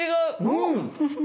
うん！